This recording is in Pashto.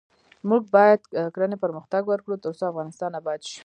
موږ باید کرنه پرمختګ ورکړو ، ترڅو افغانستان اباد شي.